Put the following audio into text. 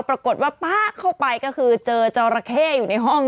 ปรากฏว่าป๊าเข้าไปก็คือเจอจอราเข้อยู่ในห้อง